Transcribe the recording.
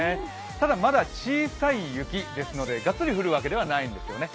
ただまだ小さい雪ですのでがっつり降るわけではないんですよね。